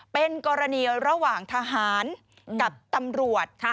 เป็นกรณีระหว่างทหารกับตำรวจ